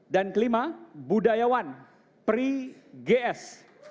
dan kelima budayawan pri gs